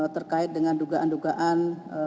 terkait dengan dugaan dugaan